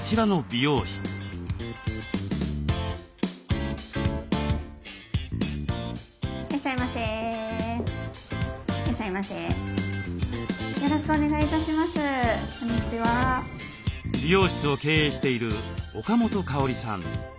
美容室を経営している岡本香里さん